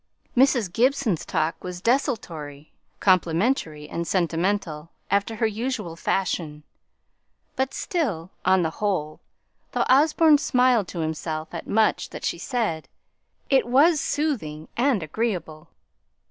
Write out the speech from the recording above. Mrs. Gibson's talk was desultory, complimentary, and sentimental, after her usual fashion; but still, on the whole, though Osborne smiled to himself at much that she said, it was soothing and agreeable.